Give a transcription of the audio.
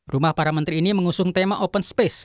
rumah para menteri ini mengusung tema open space